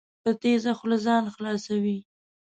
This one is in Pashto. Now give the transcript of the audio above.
په تېزه خوله ځان خلاصوي.